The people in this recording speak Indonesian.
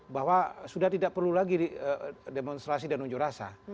bahwa sudah tidak perlu lagi demonstrasi dan unjuk rasa